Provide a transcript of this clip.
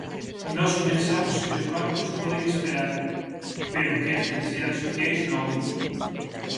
Nós pensamos que os bancos poden esperar, pero que as necesidades sociais non.